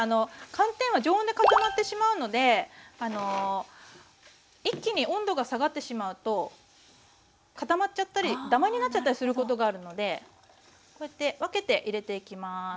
寒天は常温で固まってしまうので一気に温度が下がってしまうと固まっちゃったりダマになっちゃったりすることがあるのでこうやって分けて入れていきます。